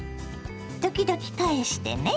時々返してね。